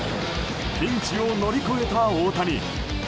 ピンチを乗り越えた大谷。